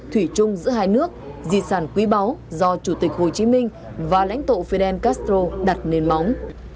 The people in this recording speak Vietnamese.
thủy chung giữa hai nước di sản quý báu do chủ tịch hồ chí minh và lãnh tụ fidel castro đặt nền móng